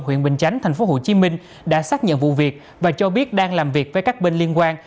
huyện bình chánh tp hcm đã xác nhận vụ việc và cho biết đang làm việc với các bên liên quan